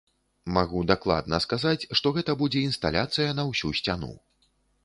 Магу дакладна сказаць, што гэта будзе інсталяцыя на ўсю сцяну.